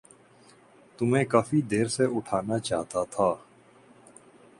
تمہیں کافی دیر سے اٹھانا چاہتا تھا۔